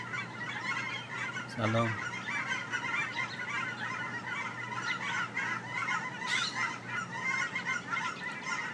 لرزه ناک